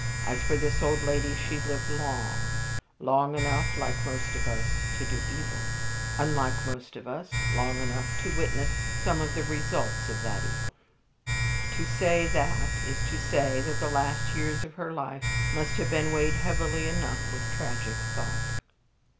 As for this old lady, she lived long long enough, like most of us, to do evil; unlike most of us, long enough to witness some of the results of that evil. To say that, is to say that the last years of her life must have been weighted heavily enough with tragic thought."